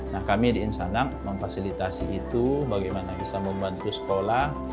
nah kami di insanak memfasilitasi itu bagaimana bisa membantu sekolah